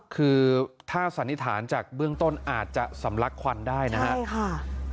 คือถ้าสันนิษฐานจากเบื้องต้นอาจจะสำลักควันได้นะครับใช่ค่ะ